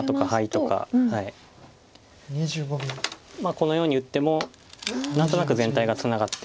このように打っても何となく全体がツナがって。